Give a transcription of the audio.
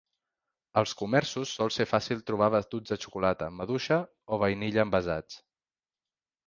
Als comerços sol ser fàcil trobar batuts de xocolata, maduixa o vainilla envasats.